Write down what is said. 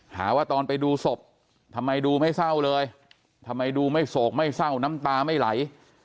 หาว่าตอนไปดูศพทำไมดูไม่เศร้าเลยทำไมดูไม่โศกไม่เศร้าน้ำตาไม่ไหล